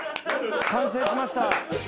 完成しました。